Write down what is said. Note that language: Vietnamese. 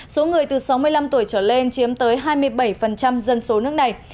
số người từ sáu mươi năm tuổi trở lên chiếm tới hai mươi bảy dân số nước này